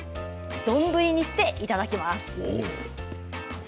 丼にしていただきます。